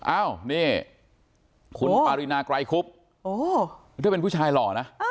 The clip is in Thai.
อ้าวนี่คุณปารินาไกรคุบหรือถ้าเป็นผู้ชายหล่อนะ